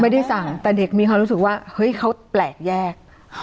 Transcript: ไม่ได้สั่งแต่เด็กมีความรู้สึกว่าเฮ้ยเขาแปลกแยก